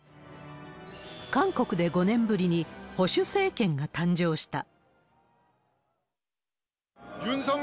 韓国で５年ぶりに保守政権が誕生した。